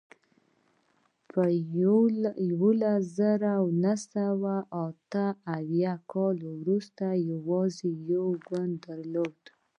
له یوه زرو نهه سوه اته اویا کال وروسته یې یوازې یو ګوند درلود.